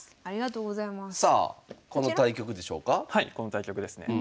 この対局ですね。